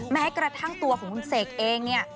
แม้กระทั่งตัวของคุณเสกเองเนี่ย